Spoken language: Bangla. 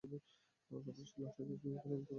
অতঃপর সে লটারীতে যোগদান করল এবং পরাভূত হল।